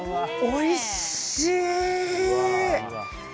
おいしい！